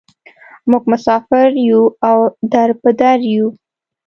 موږ مسافر یوو او در په در یوو.